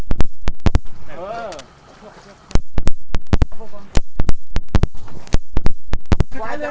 สวัสดีครับทุกคน